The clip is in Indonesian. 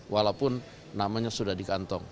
walaupun namanya sudah dikantong